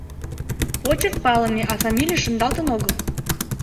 Почерк палыме, а фамилий шындалтын огыл.